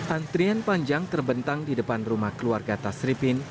antrian panjang terbentang di depan rumah keluarga tasripin